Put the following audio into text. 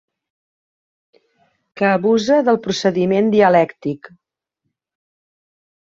Que abusa del procediment dialèctic.